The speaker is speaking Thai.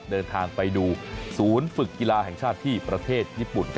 เดินทางไปดูศูนย์ฝึกกีฬาแห่งชาติที่ประเทศญี่ปุ่น